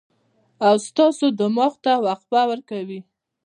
او ستاسو دماغ ته وقفه ورکوي